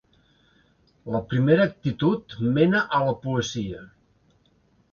La primera actitud mena a la poesia.